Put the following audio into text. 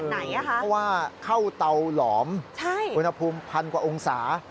เพราะว่าเข้าเตาหลอมอุณหภูมิพันกว่าองศา